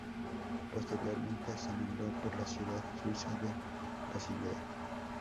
Posteriormente se nombró por la ciudad suiza de Basilea.